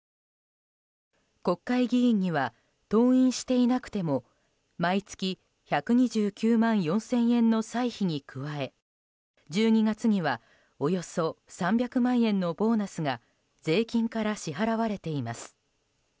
国会議員には登院していなくても毎月１２９万４０００円の歳費に加え１２月にはおよそ３００万円のボーナスが税金から支払われています。